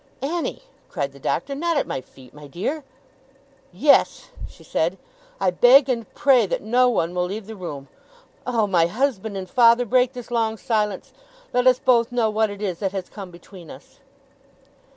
'Annie!' cried the Doctor. 'Not at my feet, my dear!' 'Yes!' she said. 'I beg and pray that no one will leave the room! Oh, my husband and father, break this long silence. Let us both know what it is that has come between us!